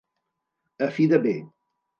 A fi de bé.